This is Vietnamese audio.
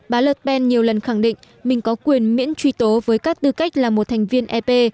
bà lợt penn nhiều lần khẳng định mình có quyền miễn truy tố với các tư cách là một thành viên ep